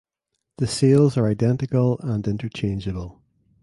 The sails are identical and interchangeable.